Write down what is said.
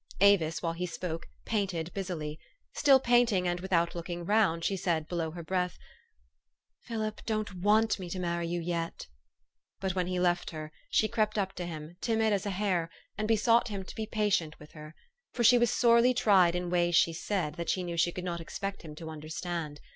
Avis, while he spoke, painted busily. Still paint ing, and without looking round, she said below her breath, THE STORY OF AVIS. 221 " Philip, don't want me to marry you yet !" But, when he left her, she crept up to him, timid as a hare, and besought him to be patient with her ; for she was sorely tried in ways she said, that she knew she could not expect him to understand.